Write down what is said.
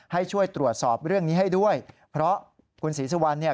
ให้ช่วยตรวจสอบเรื่องนี้ให้ด้วยเพราะคุณศรีสุวรรณเนี่ย